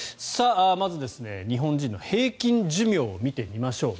まず、日本人の平均寿命を見てみましょう。